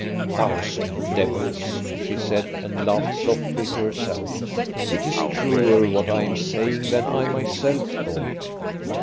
"Thousand devils !" she said, and laughed softly to herself. " It is truer, what I am saying, than I myself thought.